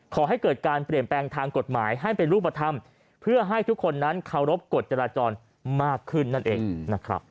ขอให้เกิดการเปลี่ยนแปลงทางกฎหมายให้เป็นรูปธรรมเพื่อให้ทุกคนนั้นเคารพกฎจราจรมากขึ้นนั่นเองนะครับ